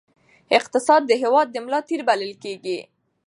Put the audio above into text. اقتصاد د هېواد د ملا تیر بلل کېږي.